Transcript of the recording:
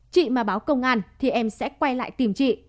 chị mà báo công an thì em sẽ quay lại tìm chị